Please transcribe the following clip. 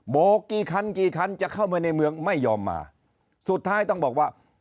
โกกี่คันกี่คันจะเข้ามาในเมืองไม่ยอมมาสุดท้ายต้องบอกว่า